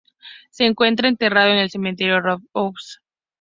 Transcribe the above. Se encuentra enterrado en el cementerio Radebeul-Ost.